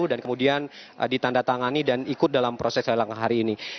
dan kemudian ditanda tangani dan ikut dalam proses lelang hari ini